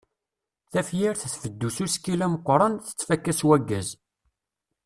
Tafyirt tbeddu s usekkil ameqqran, tettfakka s wagaz.